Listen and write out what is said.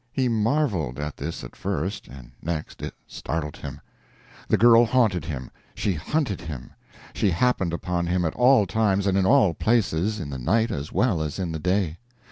He marvelled at this at first; and next it startled him. The girl haunted him; she hunted him; she happened upon him at all times and in all places, in the night as well as in the day.